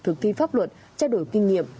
thực thi pháp luật trao đổi kinh nghiệm